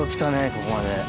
ここまで。